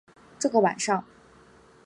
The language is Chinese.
这个晚上